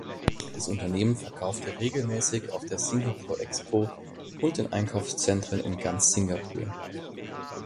Das Unternehmen verkaufte regelmäßig auf der Singapore Expo und in Einkaufszentren in ganz Singapur.